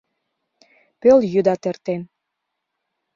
Пелйӱдат эртен.